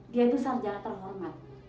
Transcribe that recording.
dia itu sarjana terhormat